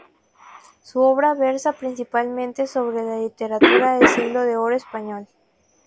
Su obra versa principalmente sobre la literatura del Siglo de Oro español.